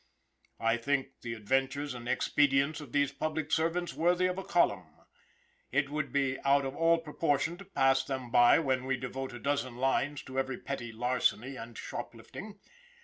I think the adventures and expedients of these public servants worthy of a column. It would be out of all proportion to pass them by when we devote a dozen lines to every petty larceny and shoplifting.